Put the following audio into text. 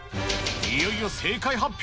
いよいよ正解発表。